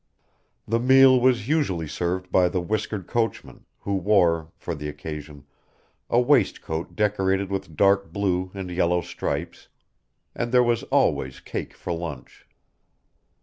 The meal was usually served by the whiskered coachman, who wore, for the occasion, a waistcoat decorated with dark blue and yellow stripes, and there was always cake for lunch.